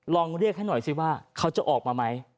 ลองเรียกให้หน่อยสิว่าเขาจะออกมาไหม